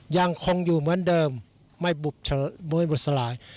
ยังคงอยู่เหมือนเดิมไม่บุบสลาย